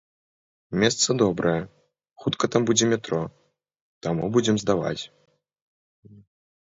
Месца добрае, хутка там будзе метро, таму будзем здаваць.